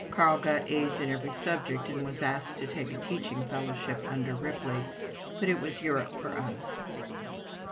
Carl got A's in every subject and was asked to take a teaching fellowship under Ripley; but it was Europe for us.